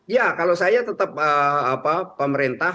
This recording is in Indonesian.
ya kalau saya tetap pemerintah